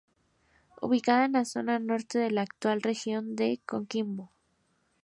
Ubicada en la zona norte de la actual Región de Coquimbo.